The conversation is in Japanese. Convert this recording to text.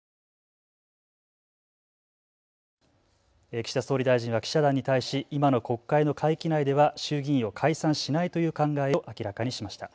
岸田総理大臣は記者団に対し今の国会の会期内では衆議院を解散しないという考えを明らかにしました。